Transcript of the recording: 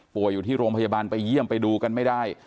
อยู่ที่โรงพยาบาลไปเยี่ยมไปดูกันไม่ได้